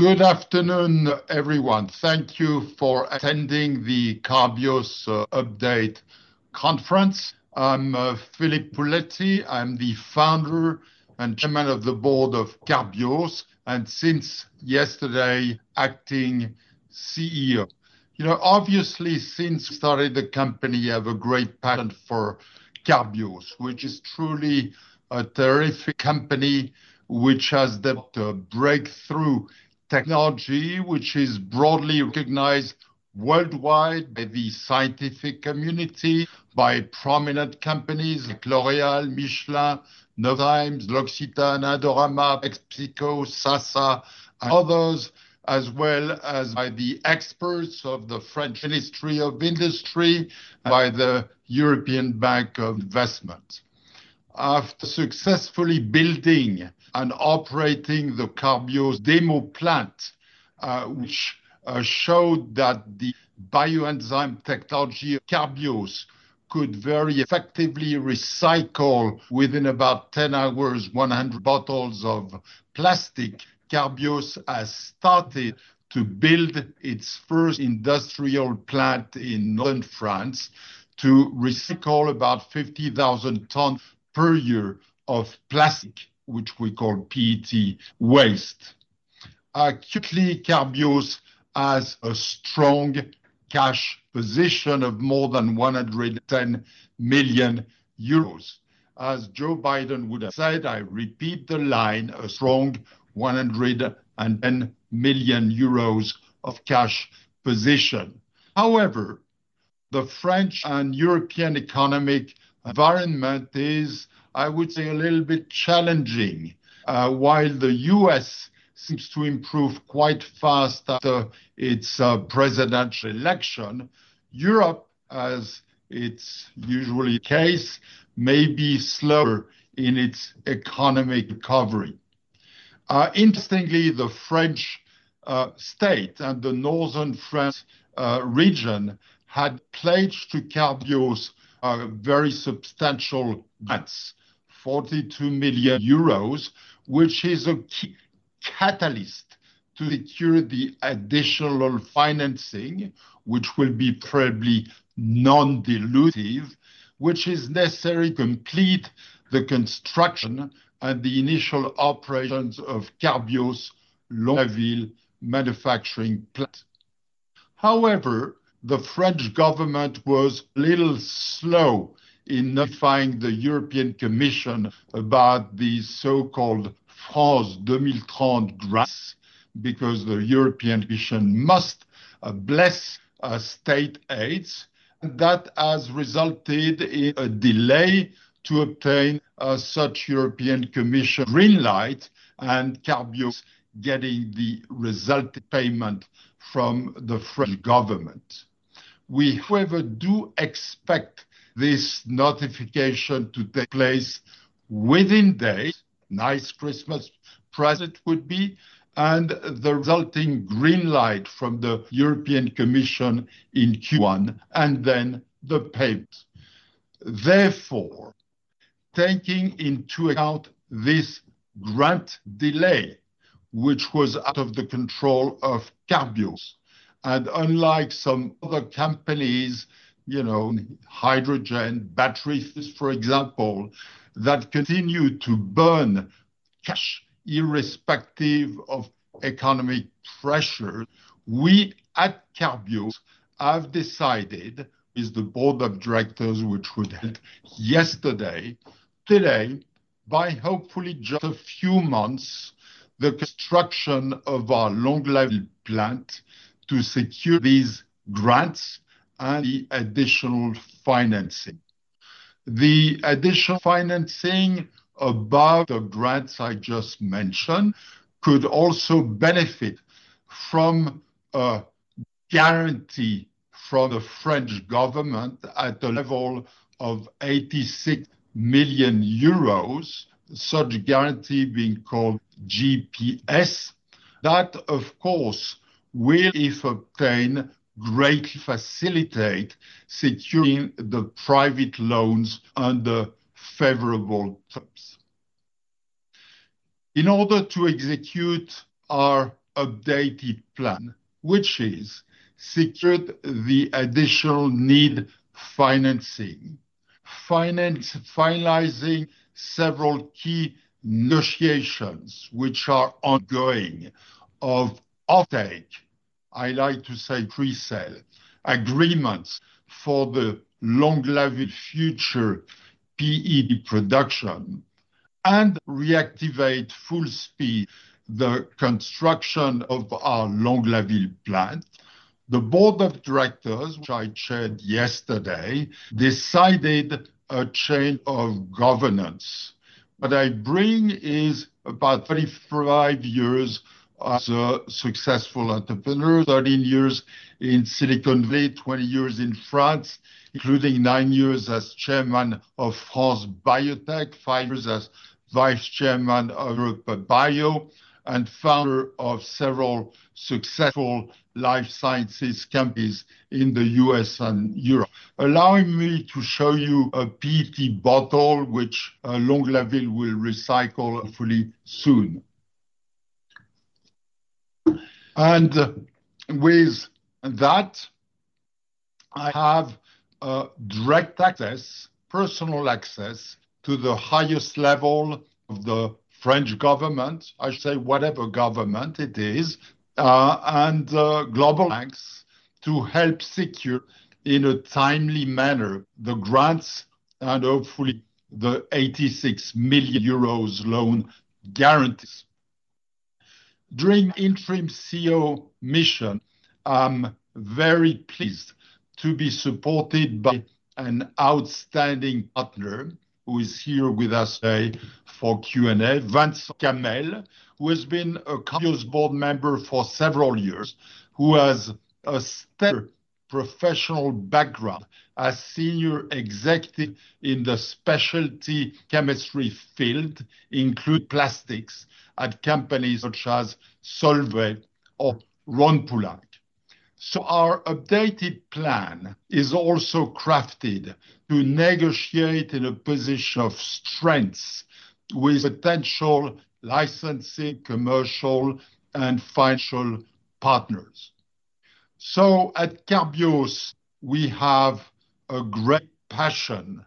Good afternoon, everyone. Thank you for attending the Carbios Update Conference. I'm Philippe Pouletty. I'm the founder and Chairman of the board of Carbios, and since yesterday, Acting CEO. You know, obviously, since I started the company, I have a great passion for Carbios, which is truly a terrific company which has developed a breakthrough technology which is broadly recognized worldwide by the scientific community, by prominent companies like L'Oréal, Michelin, Ne, L'Occitane, Indorama Ventures, PepsiCo, SASA, and others, as well as by the experts of the French Ministry of Industry and by the European Investment Bank. After successfully building and operating the Carbios demo plant, which showed that the bioenzyme technology of Carbios could very effectively recycle within about 10 hours, 100 bottles of plastic, Carbios has started to build its first industrial plant in Northern France to recycle about 50,000 tons per year of plastic, which we call PET, waste. Currently, Carbios has a strong cash position of more than 110 million euros. As Joe Biden would have said, I repeat the line: a strong 110 million euros of cash position. However, the French and European economic environment is, I would say, a little bit challenging. While the U.S. seems to improve quite fast after its presidential election, Europe, as it's usually the case, may be slower in its economic recovery. Interestingly, the French state and the northern French region had pledged to Carbios very substantial grants: 42 million euros, which is a key catalyst to secure the additional financing, which will be probably non-dilutive, which is necessary to complete the construction and the initial operations of Carbios Longlaville manufacturing plant. However, the French government was a little slow in notifying the European Commission about the so-called France 2030 grants, because the European Commission must bless state aids, and that has resulted in a delay to obtain such European Commission green light, and Carbios getting the resulting payment from the French government. We, however, do expect this notification to take place within days. Nice Christmas present would be, and the resulting green light from the European Commission in Q1, and then the payment. Therefore, taking into account this grant delay, which was out of the control of Carbios, and unlike some other companies, you know, hydrogen batteries, for example, that continue to burn cash irrespective of economic pressure, we at Carbios have decided, with the board of directors, which we had yesterday, today, by hopefully just a few months, the construction of our Longlaville plant to secure these grants and the additional financing. The additional financing above the grants I just mentioned could also benefit from a guarantee from the French government at the level of €86 million, such a guarantee being called GPS, that, of course, will, if obtained, greatly facilitate securing the private loans under favorable terms. In order to execute our updated plan, which is to secure the additional needed financing, finalizing several key negotiations which are ongoing offtake, I like to say pre-sale, agreements for the Longlaville future PET production, and reactivate full speed the construction of our Longlaville plant. The board of directors, which I chaired yesterday, decided a change of governance. What I bring is about 35 years as a successful entrepreneur, 13 years in Silicon Valley, 20 years in France, including nine years as chairman of France Biotech, five years as vice chairman of EuropaBio, and founder of several successful life sciences companies in the U.S. and Europe. Allowing me to show you a PET bottle which Longlaville will recycle hopefully soon. With that, I have direct access, personal access, to the highest level of the French government, I should say whatever government it is, and global banks to help secure in a timely manner the grants and hopefully the 86 million euros loan guarantees. During the interim CEO mission, I'm very pleased to be supported by an outstanding partner who is here with us today for Q&A, Vincent Kamel, who has been a Carbios board member for several years, who has a stellar professional background as senior executive in the specialty chemistry field, including plastics at companies such as Solvay or Rhône-Poulenc. Our updated plan is also crafted to negotiate in a position of strengths with potential licensing, commercial, and financial partners. At Carbios, we have a great passion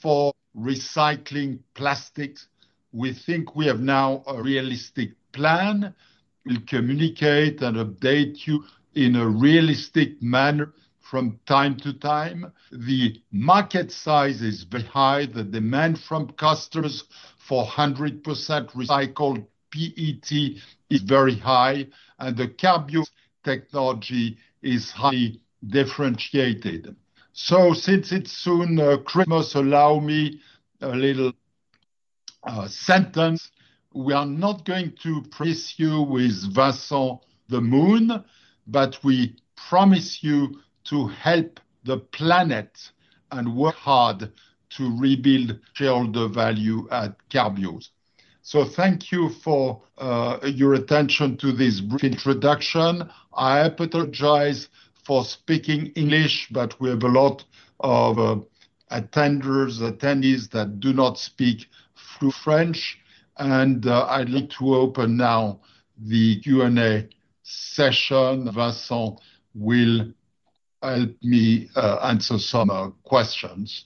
for recycling plastics. We think we have now a realistic plan. We'll communicate and update you in a realistic manner from time to time. The market size is very high. The demand from customers for 100% recycled PET is very high, and the Carbios technology is highly differentiated. So since it's soon Christmas, allow me a little sentence. We are not going to promise you with Vincent the moon, but we promise you to help the planet and work hard to rebuild shareholder value at Carbios. So thank you for your attention to this brief introduction. I apologize for speaking English, but we have a lot of attendees that do not speak French, and I'd like to open now the Q&A session. Vincent will help me answer some questions.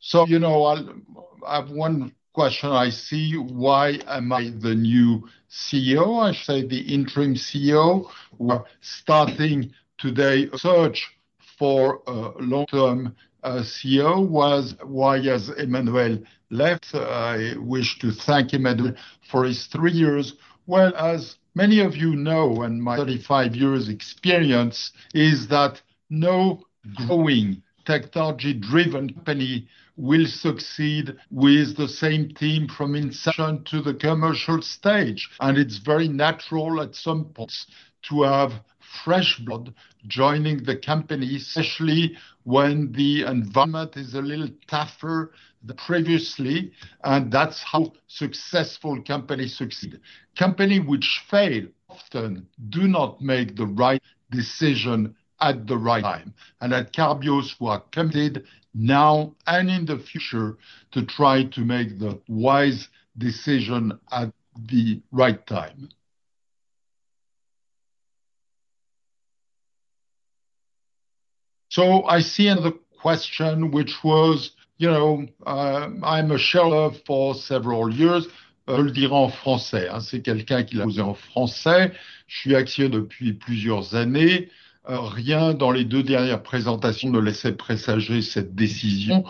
So you know, I have one question. Why am I the new CEO, I should say the interim CEO, who are starting today the search for a long-term CEO. Why, as Emmanuel Ladent left, I wish to thank Emmanuel Ladent for his three years. Well, as many of you know and my 35 years' experience, is that no growing technology-driven company will succeed with the same team from inception to the commercial stage, and it's very natural at some points to have fresh blood joining the company, especially when the environment is a little tougher than previously, and that's how successful companies succeed. Companies which fail often do not make the right decision at the right time, and at Carbios, we are committed now and in the future to try to make the wise decision at the right time, so I see another question, which was, you know, I'm a shareholder for several years. Je le dirai en français, c'est quelqu'un qui l'a posé en français. Je suis actionnaire depuis plusieurs années. Rien dans les deux dernières présentations ne laissait présager cette décision.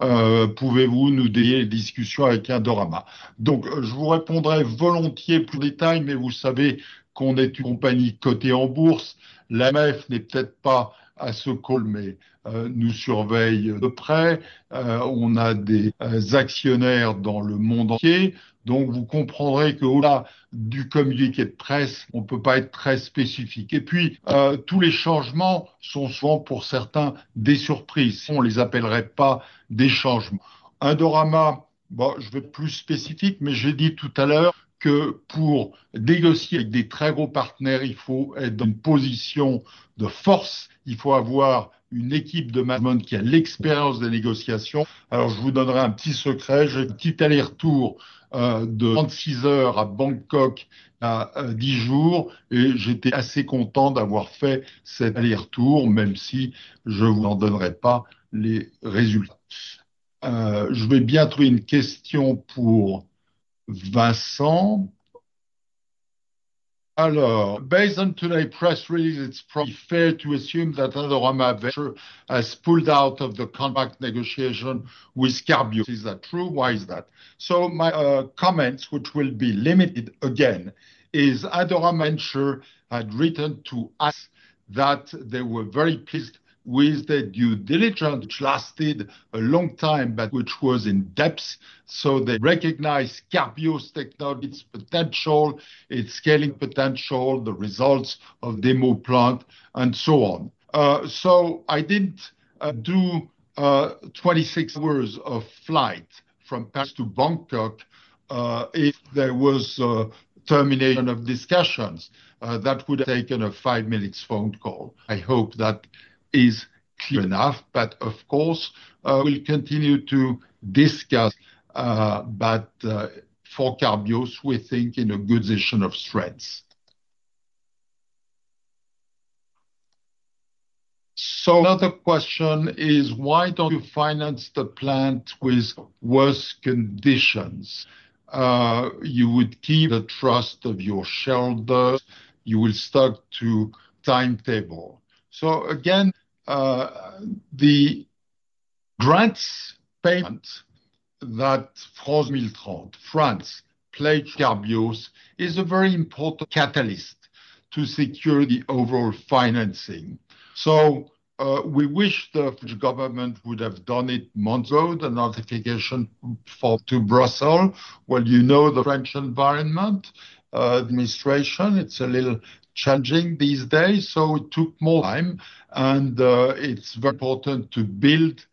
Pouvez-vous nous donner une discussion avec Indorama? Donc, je vous répondrai volontiers plus en détail, mais vous savez qu'on est une compagnie cotée en bourse. La MAIF n'est peut-être pas à ce call, mais nous surveille de près. On a des actionnaires dans le monde entier. Donc, vous comprendrez qu'au-delà du communiqué de presse, on ne peut pas être très spécifique. Et puis, tous les changements sont souvent, pour certains, des surprises. On ne les appellerait pas des changements. Indorama, bon, je vais être plus spécifique, mais j'ai dit tout à l'heure que pour négocier avec des très gros partenaires, il faut être dans une position de force. Il faut avoir une équipe de management qui a l'expérience des négociations. Alors, je vous donnerai un petit secret. J'ai un petit aller-retour de 36 heures à Bangkok à 10 jours, et j'étais assez content d'avoir fait cet aller-retour, même si je ne vous en donnerai pas les résultats. Je vais bientôt une question pour Vincent. Alors, based on today's press release, it's probably fair to assume that Indorama Ventures has pulled out of the contract negotiation with Carbios. Is that true? Why is that? So my comment, which will be limited again, is Indorama Ventures had written to us that they were very pleased with the due diligence, which lasted a long time, but which was in depth. So they recognize Carbios' technology, its potential, its scaling potential, the results of the demo plant, and so on. So I didn't do 26 hours of flight from Paris to Bangkok if there was a termination of discussions. That would have taken a five-minute phone call. I hope that is clear enough, but of course, we'll continue to discuss, but for Carbios, we think in a good position of strengths. So another question is, why don't you finance the plant with worse conditions? You would keep the trust of your shareholders. You will stuck to a timetable. So again, the grants payment that France pledged to Carbios is a very important catalyst to secure the overall financing. So we wish the French government would have done it months ago, the notification for to Brussels. Well, you know the French environment, administration, it's a little changing these days, so it took more time, and it's very important to build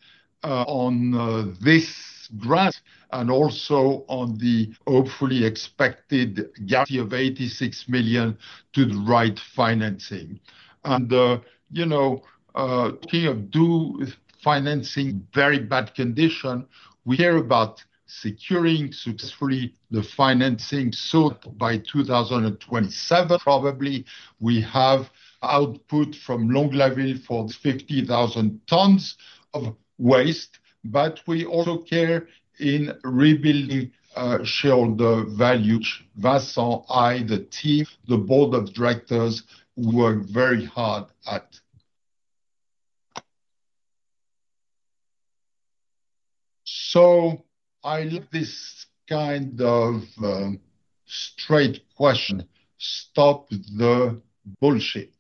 on this grant and also on the hopefully expected guarantee of €86 million to the right financing. And you know, talking of the financing in very bad condition, we care about securing successfully the financing so that by 2027, probably we have output from Longlaville for 50,000 tons of waste, but we also care in rebuilding shareholder value, which Vincent, I, the team, the board of directors work very hard at. So I love this kind of straight question. Stop the bullshit.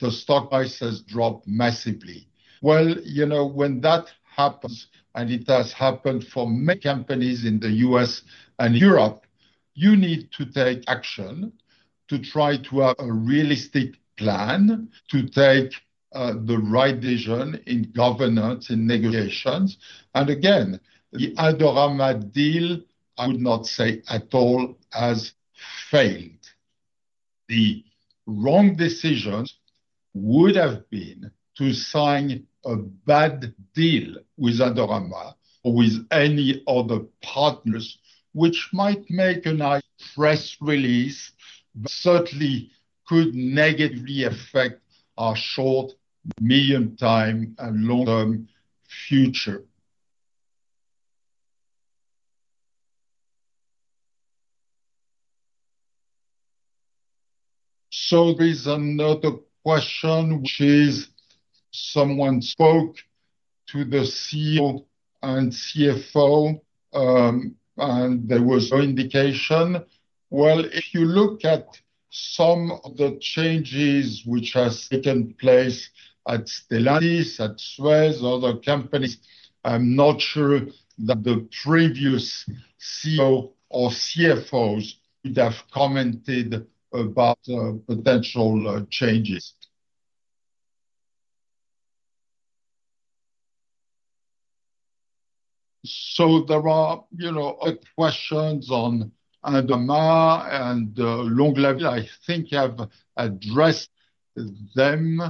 The stock prices drop massively. Well, you know, when that happens, and it has happened for many companies in the U.S. and Europe, you need to take action to try to have a realistic plan, to take the right decision in governance, in negotiations. And again, the Indorama deal, I would not say at all has failed. The wrong decision would have been to sign a bad deal with Indorama or with any other partners, which might make a nice press release, but certainly could negatively affect our short, medium-term, and long-term future. So there's another question, which is someone spoke to the CEO and CFO, and there was no indication. Well, if you look at some of the changes which have taken place at Stellantis, at Suez, other companies, I'm not sure that the previous CEO or CFOs would have commented about potential changes. So there are, you know, other questions on Indorama and Longlaville. I think I've addressed them.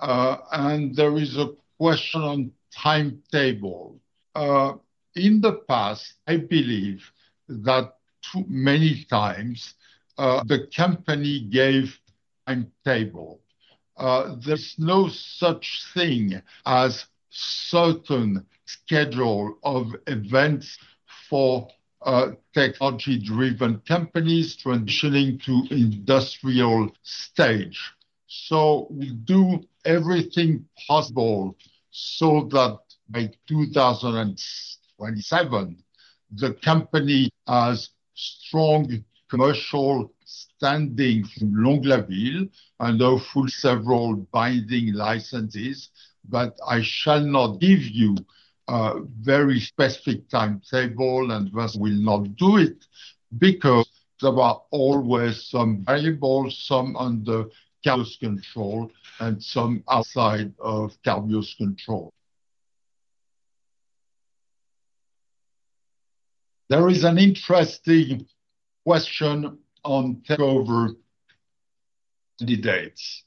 And there is a question on timetable. In the past, I believe that too many times the company gave timetable. There's no such thing as a certain schedule of events for technology-driven companies transitioning to the industrial stage. So we do everything possible so that by 2027, the company has strong commercial standing from Longlaville and will fulfill several binding licenses. But I shall not give you a very specific timetable, and Vincent will not do it because there are always some variables, some under Carbios control, and some outside of Carbios control. There is an interesting question on takeover candidates.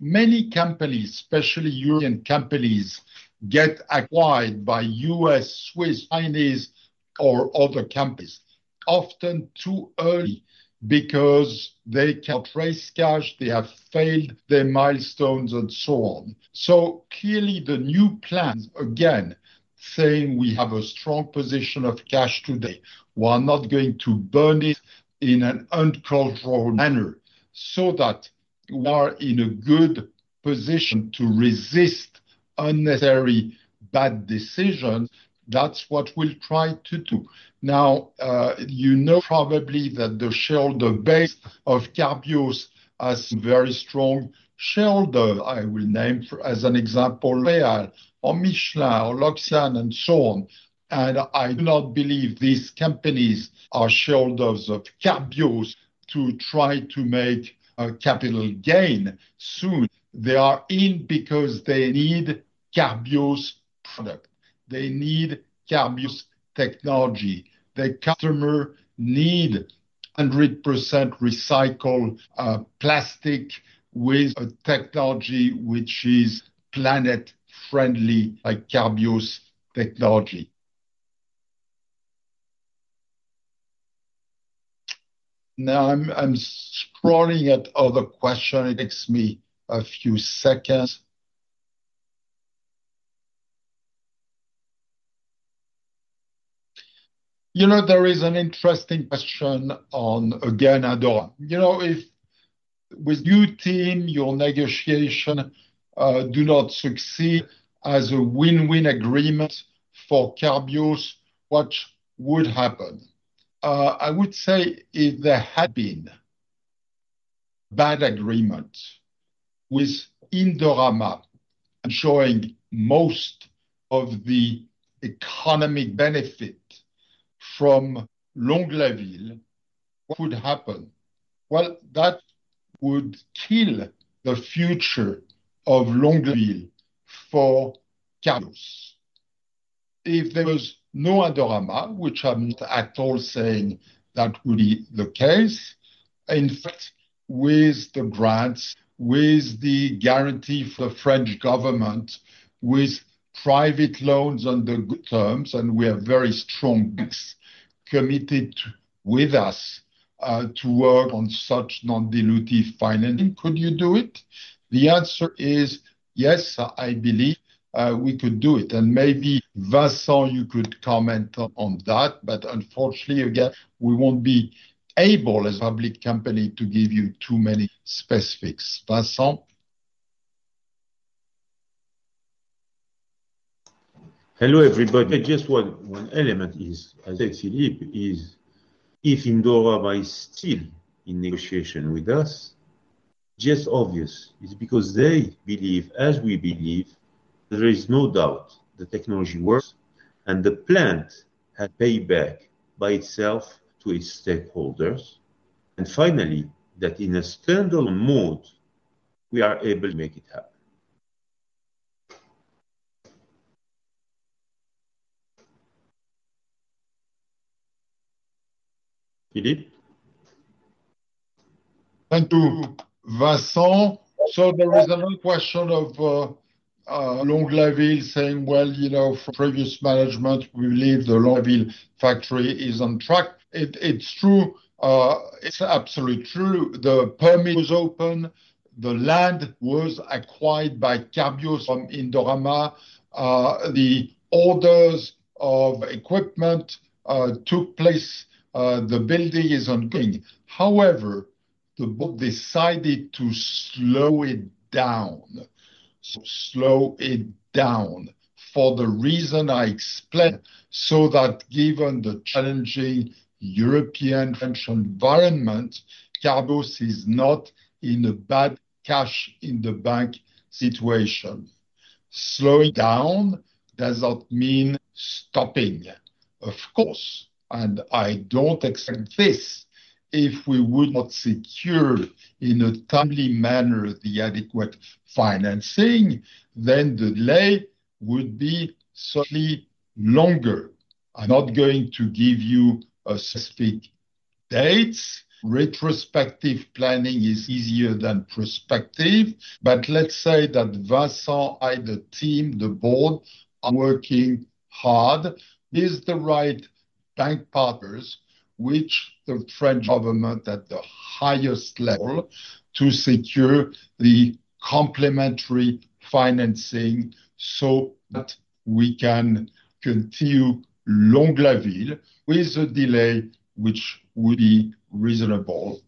Many companies, especially European companies, get acquired by U.S., Swiss, Chinese, or other companies, often too early because they can't raise cash, they have failed their milestones, and so on. So clearly, the new plan, again, saying we have a strong position of cash today, we're not going to burn it in an uncontrolled manner so that we are in a good position to resist unnecessary bad decisions. That's what we'll try to do. Now, you know probably that the shareholder base of Carbios has very strong shareholders. I will name as an example L'Oréal, or Michelin, or L'Occitane, and so on, and I do not believe these companies are shareholders of Carbios to try to make a capital gain soon. They are in because they need Carbios product. They need Carbios technology. The customer needs 100% recycled plastic with a technology which is planet-friendly, like Carbios technology. Now, I'm scrolling at other questions. It takes me a few seconds. You know, there is an interesting question on, again, Indorama. You know, if with your team, your negotiation does not succeed as a win-win agreement for Carbios, what would happen? I would say if there had been a bad agreement with Indorama showing most of the economic benefit from Longlaville, what would happen? Well, that would kill the future of Longlaville for Carbios. If there was no Indorama, which I'm not at all saying that would be the case, in fact, with the grants, with the guarantee for the French government, with private loans on the good terms, and we have very strong banks committed with us to work on such non-dilutive financing, could you do it? The answer is yes, I believe we could do it. And maybe Vincent, you could comment on that, but unfortunately, again, we won't be able as a public company to give you too many specifics. Vincent? Hello everybody. Just one element is, as I said, Philippe, is if Indorama is still in negotiation with us, just obvious, it's because they believe, as we believe, there is no doubt the technology works and the plant has payback by itself to its stakeholders. And finally, that in a standalone mode, we are able to make it happen. Philippe? Thank you, Vincent. So there is another question of Longlaville saying, well, you know, from previous management, we believe the Longlaville factory is on track. It's true. It's absolutely true. The permit was open. The land was acquired by Carbios from Indorama. The orders of equipment took place. The building is ongoing. However, they decided to slow it down. Slow it down for the reason I explained, so that given the challenging European financial environment, Carbios is not in a bad cash-in-the-bank situation. Slowing down does not mean stopping, of course, and I don't expect this. If we would not secure in a timely manner the adequate financing, then the delay would be certainly longer. I'm not going to give you a specific date. Retrospective planning is easier than prospective. But let's say that Vincent, I, the team, the board are working hard with the right bank partners, which the French government at the highest level to secure the complementary financing so that we can continue Longlaville with a delay which would be reasonable.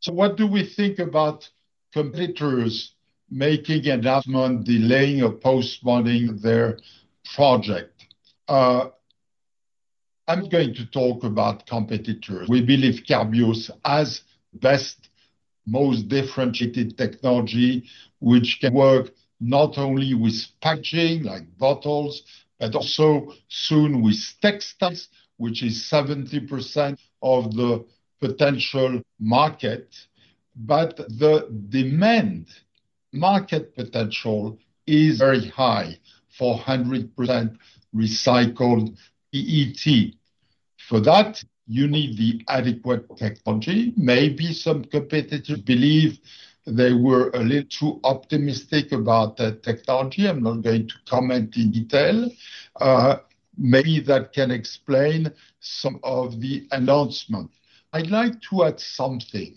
So what do we think about competitors making an announcement, delaying or postponing their project? I'm going to talk about competitors. We believe Carbios has the best, most differentiated technology, which can work not only with packaging like bottles, but also soon with textiles, which is 70% of the potential market. But the demand market potential is very high for 100% recycled PET. For that, you need the adequate technology. Maybe some competitors believe they were a little too optimistic about that technology. I'm not going to comment in detail. Maybe that can explain some of the announcement. I'd like to add something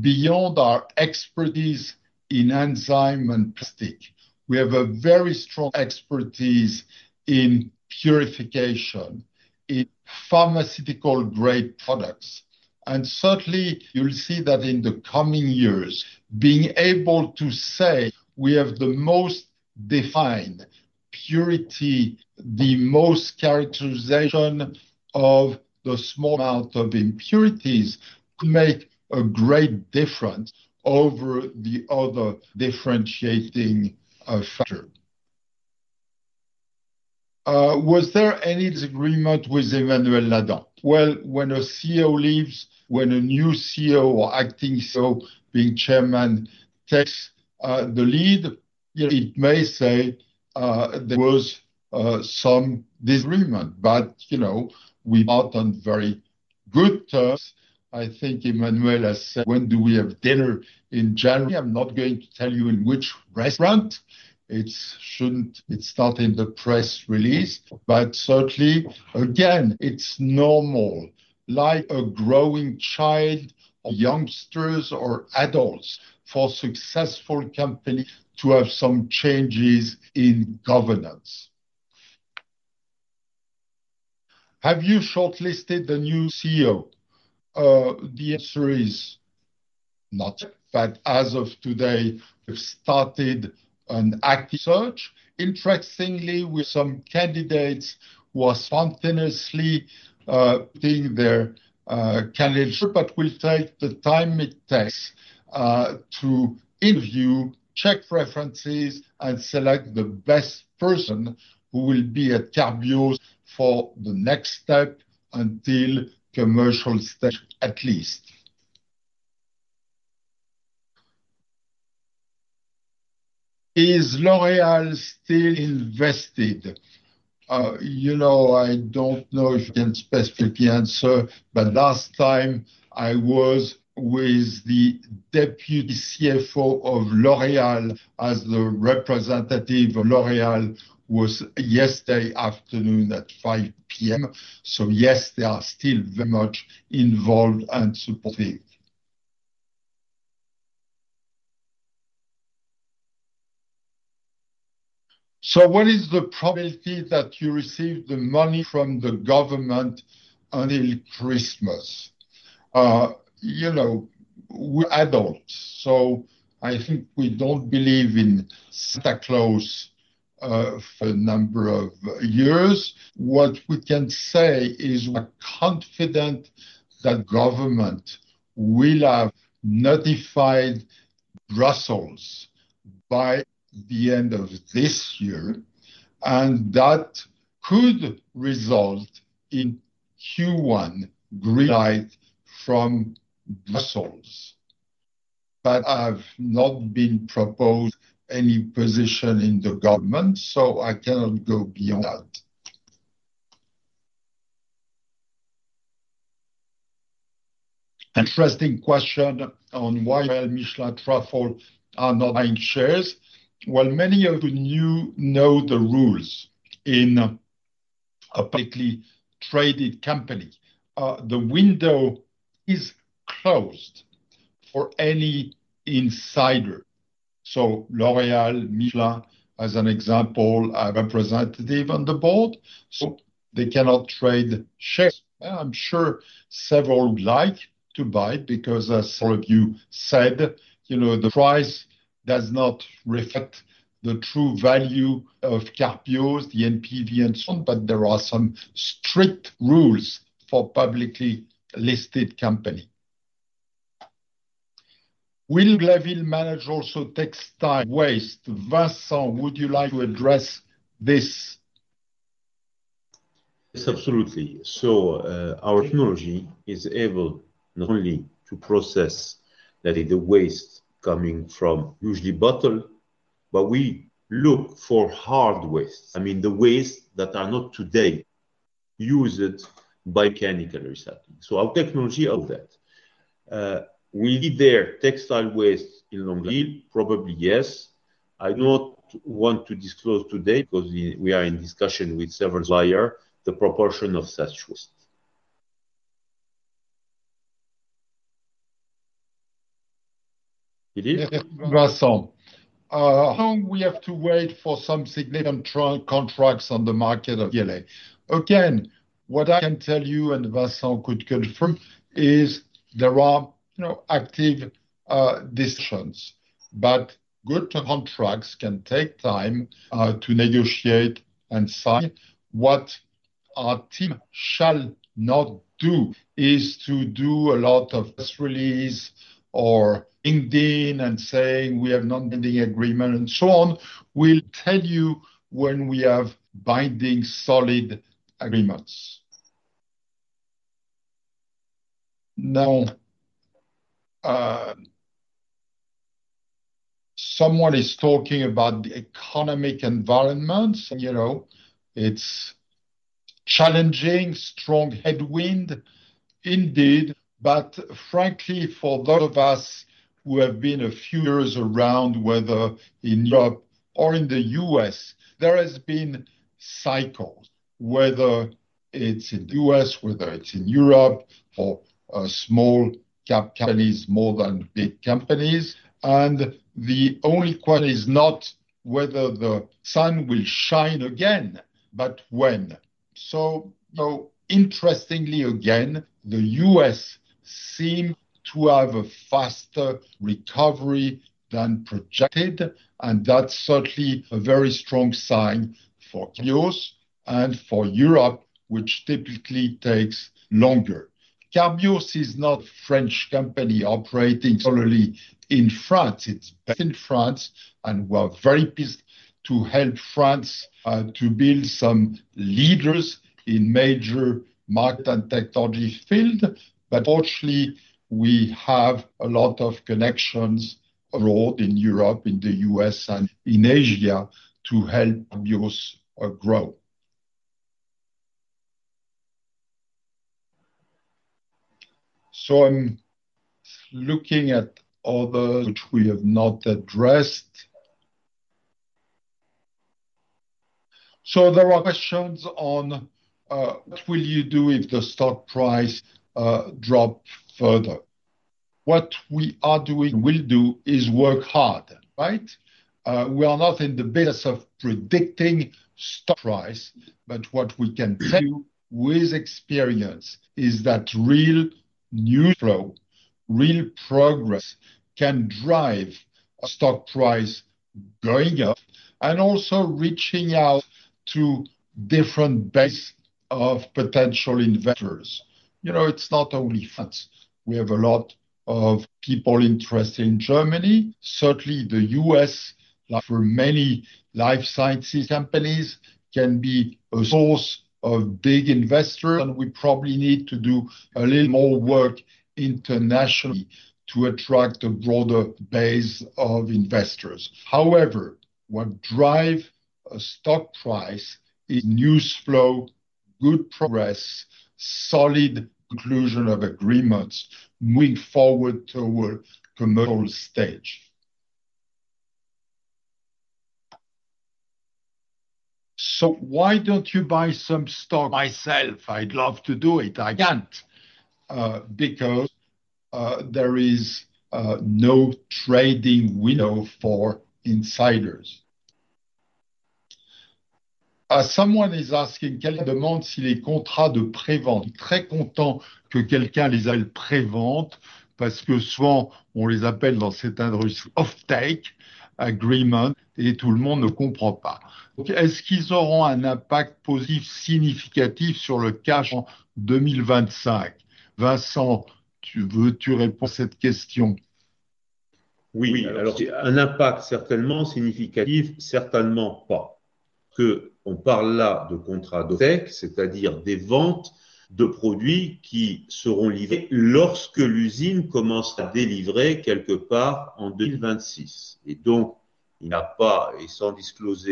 beyond our expertise in enzymes and plastics. We have a very strong expertise in purification, in pharmaceutical-grade products. And certainly, you'll see that in the coming years, being able to say we have the most defined purity, the most characterization of the small amount of impurities could make a great difference over the other differentiating factors. Was there any disagreement with Emmanuel Ladent? Well, when a CEO leaves, when a new CEO or acting CEO, being chairman, takes the lead, it may say there was some disagreement. But you know, we're not on very good terms. I think Emmanuel has said, when do we have dinner in January? I'm not going to tell you in which restaurant. It shouldn't start in the press release. But certainly, again, it's normal, like a growing child of youngsters or adults, for successful companies to have some changes in governance. Have you shortlisted the new CEO? The answer is not yet. But as of today, we've started an active search. Interestingly, with some candidates who are spontaneously putting their candidature in, but we'll take the time it takes to interview, check preferences, and select the best person who will be at Carbios for the next step until commercial stage at least. Is L'Oréal still invested? You know, I don't know if I can specifically answer, but last time I was with the Deputy CFO of L'Oréal as the representative of L'Oréal was yesterday afternoon at 5:00 P.M. So yes, they are still very much involved and supporting. So what is the probability that you receive the money from the government until Christmas? You know, we're adults, so I think we don't believe in Santa Claus for a number of years. What we can say is we are confident that the government will have notified Brussels by the end of this year, and that could result in Q1 green light from Brussels. But I have not been proposed any position in the government, so I cannot go beyond that. Interesting question on why L'Oréal, Michelin, and Truffle are not buying shares. Well, many of you know the rules in a publicly traded company. The window is closed for any insider. So L'Oréal, Michelin, as an example, I have a representative on the board, so they cannot trade shares. I'm sure several would like to buy it because, as several of you said, you know, the price does not reflect the true value of Carbios, the NPV, and so on, but there are some strict rules for publicly listed companies. Will Longlaville manage also textile waste? Vincent, would you like to address this? Yes, absolutely. So our technology is able not only to process, that is, the waste coming from usually bottle, but we look for hard waste. I mean, the waste that are not today used by mechanical recycling. So our technology allows that. Will be there textile waste in Longlaville? Probably yes. I do not want to disclose today because we are in discussion with several players the proportion of such waste. Philippe, Vincent, how long do we have to wait for some signature contracts on the market of PLA? Again, what I can tell you and Vincent could confirm is there are, you know, active discussions. But good contracts can take time to negotiate and sign. What our team shall not do is to do a lot of press releases or LinkedIn and saying we have non-binding agreements and so on. We'll tell you when we have binding solid agreements. Now, someone is talking about the economic environment. You know, it's challenging, strong headwind indeed. But frankly, for those of us who have been a few years around, whether in Europe or in the U.S., there has been cycles, whether it's in the U.S., whether it's in Europe, for small caps, more than big companies, and the only question is not whether the sun will shine again, but when. So, you know, interestingly, again, the U.S. seems to have a faster recovery than projected, and that's certainly a very strong sign for Carbios and for Europe, which typically takes longer. Carbios is not a French company operating solely in France. It's based in France and we're very pleased to help France to build some leaders in major market and technology fields. But fortunately, we have a lot of connections abroad in Europe, in the U.S., and in Asia to help Carbios grow. So I'm looking at others which we have not addressed. So there are questions on what will you do if the stock price drops further? What we are doing and will do is work hard, right? We are not in the business of predicting stock price, but what we can tell you with experience is that real news flow, real progress can drive stock price going up and also reaching out to different banks of potential investors. You know, it's not only France. We have a lot of people interested in Germany. Certainly, the U.S., like for many life sciences companies, can be a source of big investors. And we probably need to do a little more work internationally to attract a broader base of investors. However, what drives a stock price is news flow, good progress, solid conclusion of agreements, moving forward toward the commercial stage. So why don't you buy some stock myself? I'd love to do it. I can't because there is no trading window for insiders. Someone is asking quelques demandes si les contrats de prévente. Je suis très content que quelqu'un l'ait prévenu parce que souvent, on les appelle dans cette industrie off-take agreement et tout le monde ne comprend pas. Donc, est-ce qu'ils auront un impact positif significatif sur le cash en 2025? Vincent, tu veux répondre à cette question? Oui, alors c'est un impact certainement significatif, certainement pas. Parce qu'on parle là de contrats d'off-take, c'est-à-dire des ventes de produits qui seront livrés lorsque l'usine commence à délivrer quelque part en 2026. Et donc, il n'a pas, et sans disclose,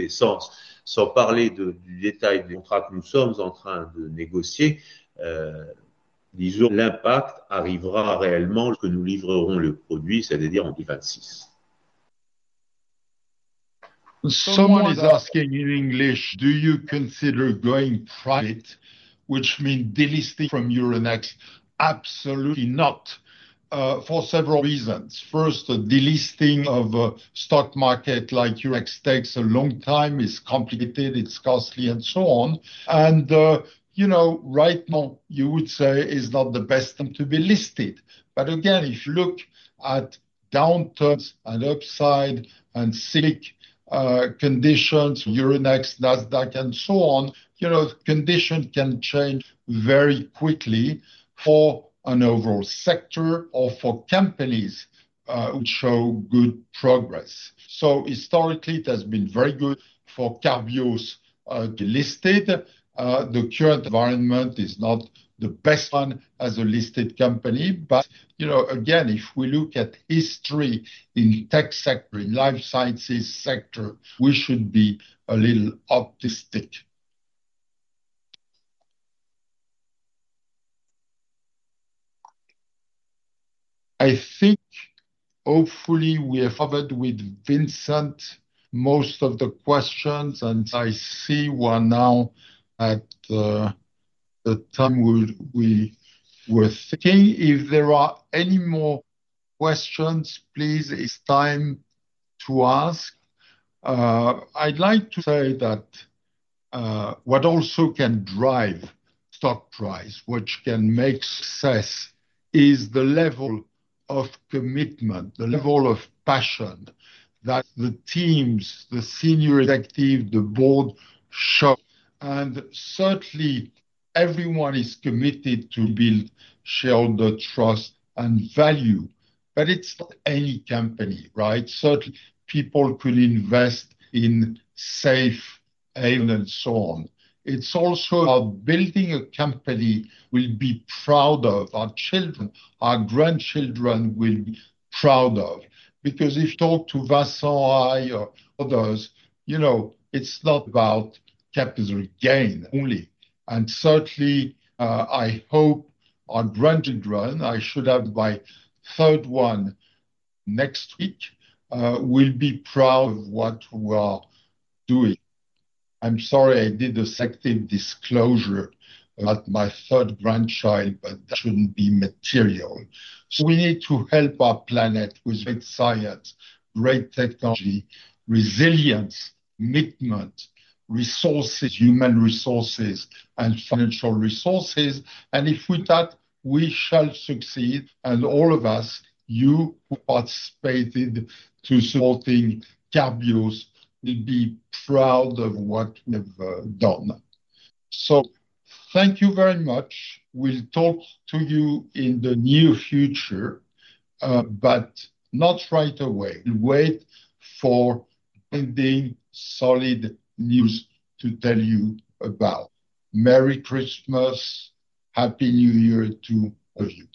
sans parler du détail du contrat que nous sommes en train de négocier, disons l'impact arrivera réellement lorsque nous livrerons le produit, c'est-à-dire en 2026. Someone is asking in English, do you consider going private, which means delisting from Euronext? Absolutely not, for several reasons. First, a delisting of a stock market like Euronext takes a long time, is complicated, it's costly, and so on and you know, right now, you would say it's not the best time to be listed but again, if you look at downturns and upsides and cyclic conditions, Euronext, Nasdaq, and so on, you know, conditions can change very quickly for an overall sector or for companies which show good progress so historically, it has been very good for Carbios to be listed. The current environment is not the best one as a listed company but you know, again, if we look at history in the tech sector, in the life sciences sector, we should be a little optimistic. I think, hopefully, we have covered with Vincent most of the questions, and I see we're now at the time we were thinking. If there are any more questions, please, it's time to ask. I'd like to say that what also can drive stock price, which can make success, is the level of commitment, the level of passion that the teams, the senior executives, the board show. And certainly, everyone is committed to build shareholder trust and value. But it's not any company, right? Certainly, people could invest in safe haven and so on. It's also our building a company we'll be proud of, our children, our grandchildren will be proud of. Because if you talk to Vincent or others, you know, it's not about capital gain only. And certainly, I hope our grandchildren, I should have my third one next week, will be proud of what we are doing. I'm sorry, I did a selective disclosure about my third grandchild, but that shouldn't be material. So we need to help our planet with great science, great technology, resilience, commitment, resources, human resources, and financial resources. And if we do that, we shall succeed. And all of us, you who participated in supporting Carbios, will be proud of what we have done. So thank you very much. We'll talk to you in the near future, but not right away. We'll wait for brand new solid news to tell you about. Merry Christmas, Happy New Year to all of you.